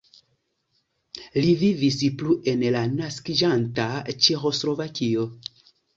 Li vivis plu en la naskiĝanta Ĉeĥoslovakio.